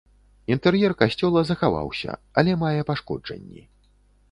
Інтэр'ер касцёла захаваўся, але мае пашкоджанні.